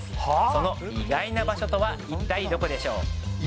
その意外な場所とは一体どこでしょう。